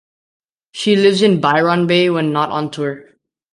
She lives in Byron Bay when not on tour.